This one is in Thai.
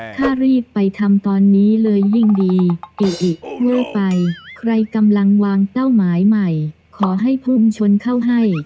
ถ้ารีบไปทำตอนนี้เลยยิ่งดีเกอิเว้ยไปใครกำลังวางเป้าหมายใหม่ขอให้พุ่งชนเข้าให้